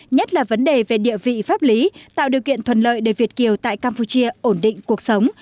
nhất là vấn đề về địa vị pháp lý tạo điều kiện thuận lợi để việt kiều tại campuchia ổn định cuộc sống